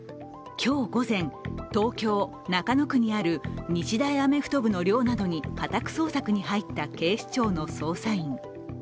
今日午前、東京・中野区にある日大アメフト部の寮などに家宅捜索に入った警視庁の捜査員。